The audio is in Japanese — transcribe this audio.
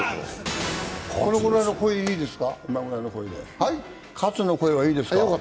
このくらいの声でいいですか？